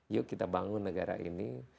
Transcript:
yuk kita bangun negara ini